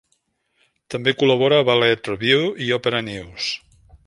També col·labora a "Ballet Review" i "Opera News".